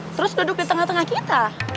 terus duduk di tengah tengah kita